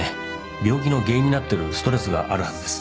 病気の原因になってるストレスがあるはずです。